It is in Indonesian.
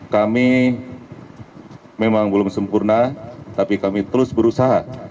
kami memang belum sempurna tapi kami terus berusaha